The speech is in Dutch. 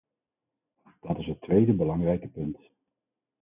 Dat is het tweede belangrijke punt.